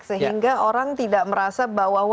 sehingga orang tidak merasa bahwa